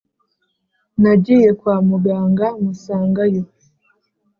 Nagiye kwa muganga musangayo